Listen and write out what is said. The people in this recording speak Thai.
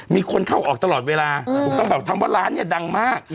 มีคนเข้าออกตลอดเวลาก็แบบทำว่าร้านนี้ดังมาก